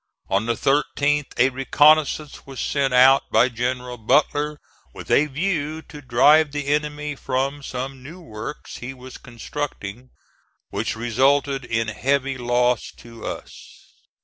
On the 13th a reconnoissance was sent out by General Butler, with a view to drive the enemy from some new works he was constructing, which resulted in heavy loss to us.